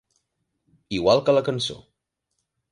Igual que la cançó.